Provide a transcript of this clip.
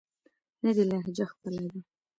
نه دې لهجه خپله ده.